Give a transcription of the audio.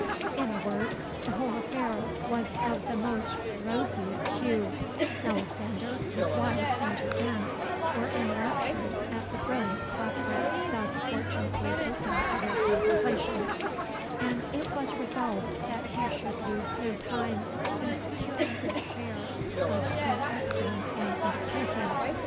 In a word, the whole affair was of the most roseate hue: Alexander, his wife, and her aunt were in raptures at the brilliant prospect thus fortunately opened to their contemplation; and it was resolved that he should lose no time in securing a share in so excellent an undertaking.